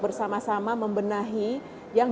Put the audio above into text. bersama sama membenahi yang